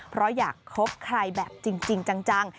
เพราะอยากคบใครแบบจริงจัง